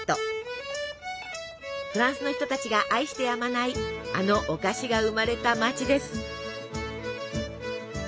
フランスの人たちが愛してやまないあのお菓子が生まれた街です。